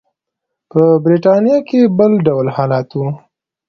په برېټانیا کې بل ډول حالت و.